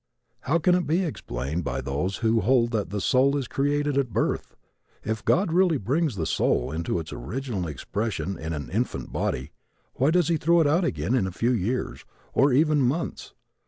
How can it be explained by those who hold that the soul is created at birth? If God really brings the soul into its original expression in an infant body, why does he throw it out again in a few years, or even months?